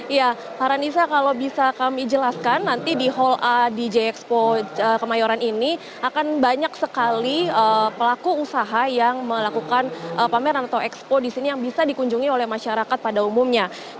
ya farhanisa kalau bisa kami jelaskan nanti di hal a dj expo kemayoran ini akan banyak sekali pelaku usaha yang melakukan pameran atau expo di sini yang bisa dikunjungi oleh masyarakat pada umumnya